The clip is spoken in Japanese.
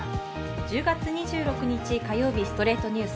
１０月２６日、火曜日の『ストレイトニュース』。